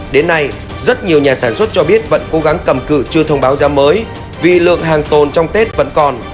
đến nay rất nhiều nhà sản xuất cho biết vẫn cố gắng cầm cự chưa thông báo giá mới vì lượng hàng tồn trong tết vẫn còn